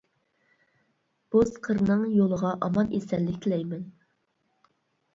بوز قىرنىڭ يولىغا ئامان ئېسەنلىك تىلەيمەن.